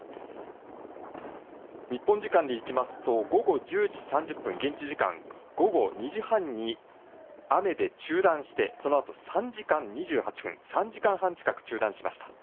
日本時間でいいますと午後１０時３０分現地時間午後２時半に雨で中断してそのあと３時間２８分３時間半近く中断しました。